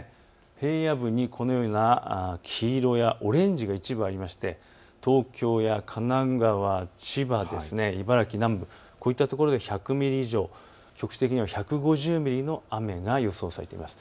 平野部に黄色やオレンジが一部あって東京や神奈川、千葉、茨城南部、こういったところで１００ミリ以上、局地的には１５０ミリの雨が予想されています。